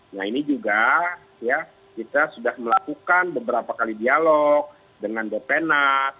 nah ini juga ya kita sudah melakukan beberapa kali dialog dengan bpnas